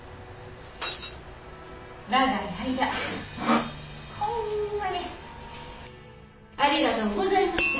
長い間ホンマにありがとうございました。